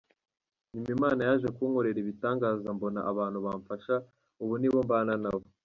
Nyuma Imana yaje kunkorera ibitangaza mbona abantu bamfasha ubu nibo mbana nabo.